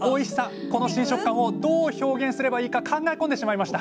この新食感をどう表現すればいいか考え込んでしまいました